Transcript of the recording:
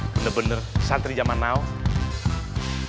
bener bener santri jaman now